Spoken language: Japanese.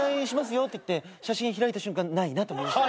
よっていって写真開いた瞬間ないなと思いました。